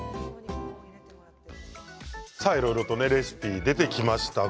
いろいろとレシピが出てきましたが